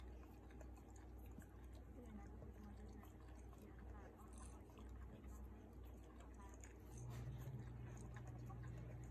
苏里南西部计划就是以在巴克赫伊斯山开采铝土矿为核心的一个经济发展计划。